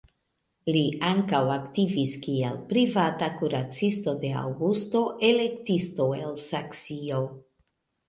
Li ankaŭ aktivis kiel privata kuracisto de Aŭgusto, elektisto el Saksio.